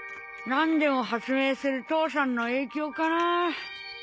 何でも発明する父さんの影響かな。